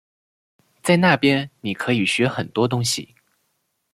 在那边你可以学很多东西